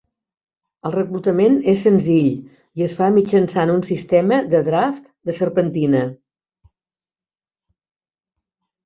El reclutament és senzill i es fa mitjançant un sistema de draft de serpentina.